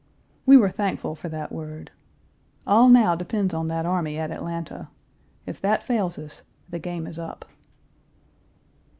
We were thankful for that word. All now depends on that army at Atlanta. If that fails us, the game is up.